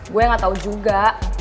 gue gak tau juga